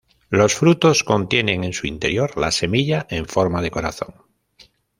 Los frutos contienen en su interior la semilla en forma de corazón.